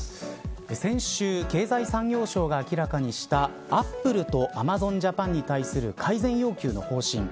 先週経済産業省が明らかにしたアップルとアマゾンジャパンに対する改善要求の方針。